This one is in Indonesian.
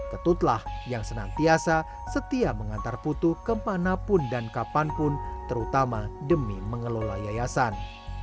ketutlah yang senantiasa setia mengantar putu kemanapun dan kapanpun terutama demi mengelola yayasan